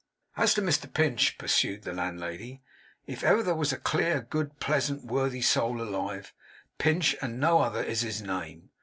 'As to Mr Pinch,' pursued the landlady, 'if ever there was a dear, good, pleasant, worthy soul alive, Pinch, and no other, is his name.